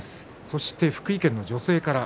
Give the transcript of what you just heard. そして、福井県の女性から。